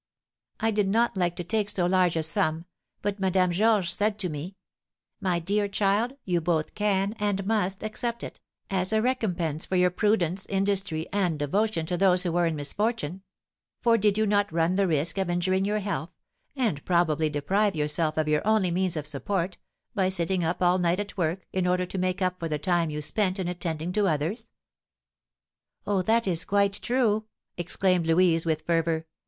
"I did not like to take so large a sum, but Madame Georges said to me, 'My dear child, you both can and must accept it, as a recompense for your prudence, industry, and devotion to those who were in misfortune; for did you not run the risk of injuring your health, and probably deprive yourself of your only means of support, by sitting up all night at work, in order to make up for the time you spent in attending to others?'" "Oh, that is quite true," exclaimed Louise, with fervour.